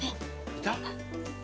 いた？